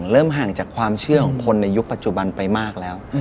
ห่างจากความเชื่อของคนในยุคปัจจุบันไปมากแล้ว